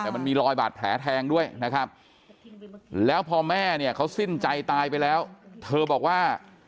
แต่มันมีรอยบาดแผลแทงด้วยนะครับแล้วพอแม่เนี่ยเขาสิ้นใจตายไปแล้วเธอบอกว่า